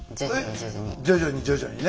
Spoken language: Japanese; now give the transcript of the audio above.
徐々に徐々にね。